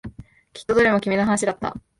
きっとどれも君の話だった。